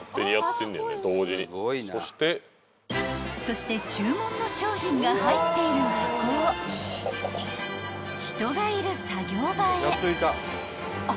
［そして注文の商品が入っている箱を人がいる作業場へ］